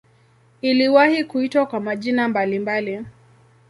Iliwahi kuitwa kwa majina mbalimbali.